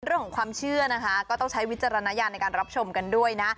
เรื่องของความเชื่อนะคะก็ต้องใช้วิจารณญาณในการรับชมกันด้วยนะ